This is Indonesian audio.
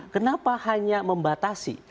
kenapa hanya membatasi